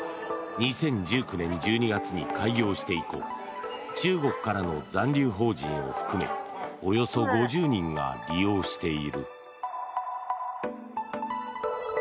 ２０１９年１２月に開業して以降中国からの残留邦人を含めおよそ５０人が利用している。